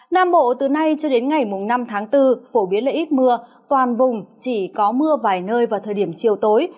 nam bộ từ nay cho đến ngày năm tháng bốn phổ biến là ít mưa toàn vùng chỉ có mưa vài nơi vào thời điểm chiều tối